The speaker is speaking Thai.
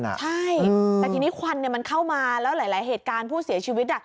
ใช่แต่ทีนี้ควันมันเข้ามาแล้วหลายเหตุการณ์ผู้เสียชีวิต